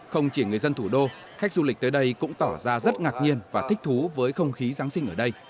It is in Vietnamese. không chỉ người dân thủ đô khách du lịch tới đây cũng tỏ ra rất ngạc nhiên và thích thú với không khí giáng sinh ở đây